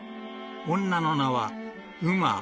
［女の名は］